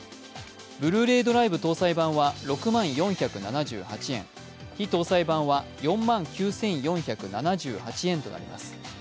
ブルーレイドライブ搭載版は６万４７８円非搭載版は４万９４７８円となります。